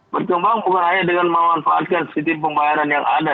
berkembang bukan hanya dengan memanfaatkan sistem pembayaran yang ada